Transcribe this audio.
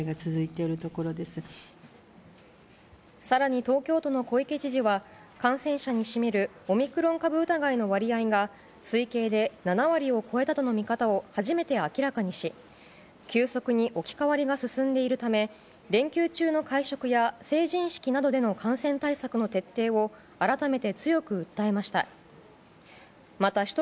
更に、東京都の小池知事は感染者に占めるオミクロン株疑いの割合が推計で７割を超えたとの見方を初めて明らかにし急速に置き換わりが進んでいるため連休中の会食や成人式などでの感染対策の徹底を改めて強く訴えました。